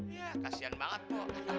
ya kasian banget pok